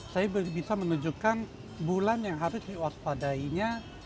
saya bisa menunjukkan bulan yang harus diuas padainya